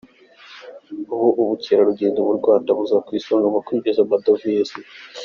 Ubu ubukerarugendo mu Rwanda buza ku isonga mu kwinjiza amadovize.